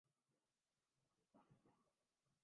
spot fixing case cricketer Shahzeb Hasan کی سزا چار سال کر دی گئی